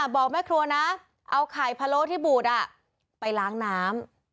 บอกแม่ครัวนะเอาไข่พะโล้ที่บูดไปล้างน้ำ